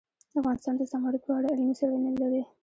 افغانستان د زمرد په اړه علمي څېړنې لري.